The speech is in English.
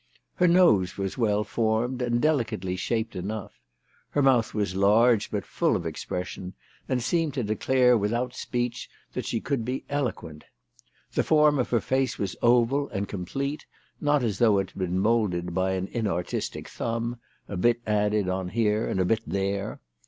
Her nose was well formed, and delicately shaped enough. Her mouth was large, but full of expression, and seemed to declare without speech that she could be eloquent. The form of her face was oval, and complete, not as though it had been moulded by an inartistic thumb, a bit added on here and a bit there.